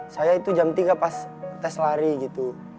saya itu jam tiga pas tes lari gitu